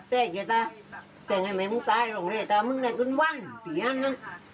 แจ้งแยวตาแจ้งไม่มึงตายแล้วมึงได้กินว่ั้งเสียนนะ